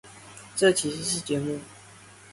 這其實是節目